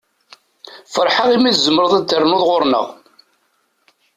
Feṛḥeɣ i mi tzemreḍ ad d-ternuḍ ɣuṛ-nneɣ.